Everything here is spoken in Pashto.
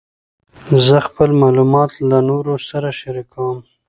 زه خپل معلومات له نورو سره شریکوم.